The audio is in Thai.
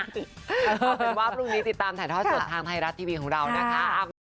เอาเป็นว่าพรุ่งนี้ติดตามถ่ายทอดสดทางไทยรัฐทีวีของเรานะคะ